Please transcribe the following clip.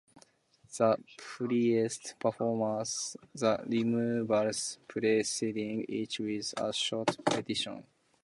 The priest performs the removals, preceding each with a short petition.